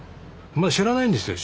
まだ知らないんですよ